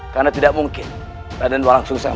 karena tidak mungkin raden walang sung sang